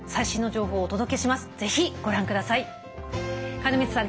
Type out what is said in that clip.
金光さん